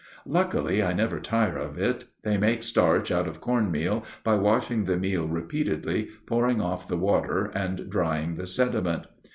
Luckily I never tire of it. They make starch out of corn meal by washing the meal repeatedly, pouring off the water, and drying the sediment.